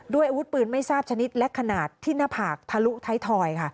อาวุธปืนไม่ทราบชนิดและขนาดที่หน้าผากทะลุท้ายทอยค่ะ